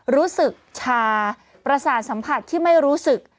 รู้สึกชาประสาทสัมผัสที่ไม่รู้สึก